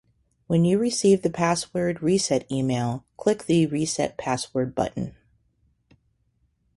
When you receive the password reset email, click the “reset password” button.